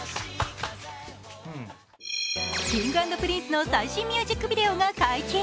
Ｋｉｎｇ＆Ｐｒｉｎｃｅの最新ミュージックビデオが解禁。